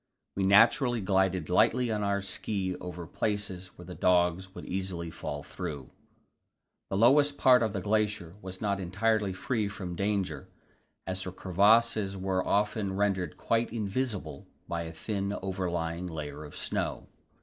We naturally glided lightly on our ski over places where the dogs would easily fall through. This lowest part of the glacier was not entirely free from danger, as the crevasses were often rendered quite invisible by a thin overlying layer of snow.